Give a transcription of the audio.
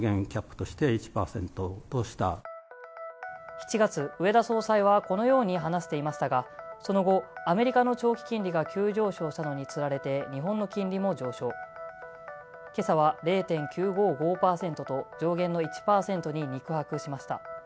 ７月、植田総裁はこう話していましたがその後、アメリカの長期金利が急上昇したのにつられて日本の金利も上昇、今朝は０．９５５％と上限の１％に肉薄しました。